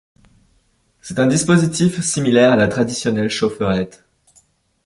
C'est un dispositif similaire à la traditionnelle chaufferette.